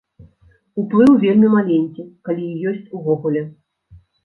Уплыў вельмі маленькі, калі і ёсць увогуле.